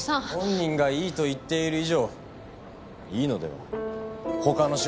本人がいいと言っている以上いいのでは？